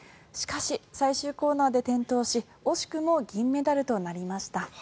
しかし、最終コーナーで転倒し惜しくも銀メダルとなりました。